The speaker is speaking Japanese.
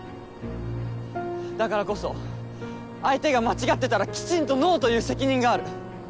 だからこそ相手が間違ってたらきちんと「ＮＯ！」と言う責任がある。